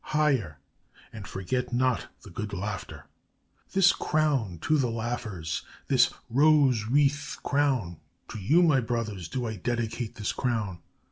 higher! And forget not the good laughter! This crown to the laughers, this rose wreath crown: to you, my brothers, do I dedicate this crown!